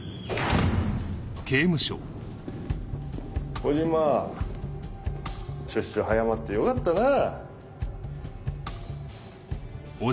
小島出所早まってよかったなぁ。